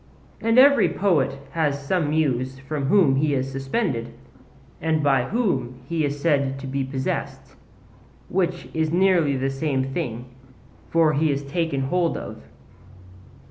And every poet has some Muse from whom he is suspended, and by whom he is said to be possessed, which is nearly the same thing; for he is taken hold of.